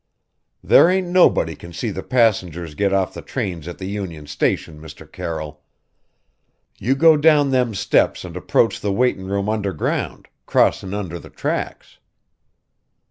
"There ain't nobody can see the passengers get off the trains at the Union Station, Mr. Carroll. You go down them steps and approach the waitin' room underground crossin' under the tracks."